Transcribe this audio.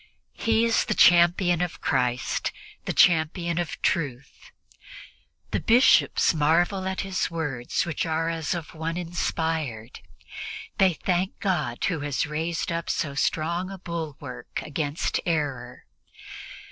He is the champion of Christ, the champion of the truth. The Bishops marvel at his words, which are as of one inspired; they thank God who has raised up so strong a bulwark against error.